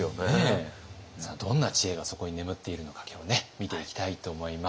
さあどんな知恵がそこに眠っているのか今日はね見ていきたいと思います。